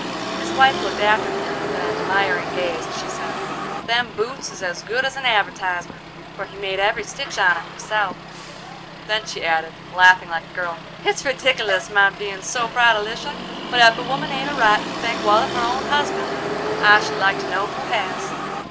His wife looked after him with an admiring gaze as she said: "Them boots is as good as an advertisement, for he made every stitch on 'em himself;" then she added, laughing like a girl: "It's redick'lus my bein' so proud of Lisha, but ef a woman ain't a right to think wal of her own husband, I should like to know who has!"